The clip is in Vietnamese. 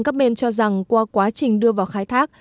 cho rằng qua quá trình đưa vào khai thác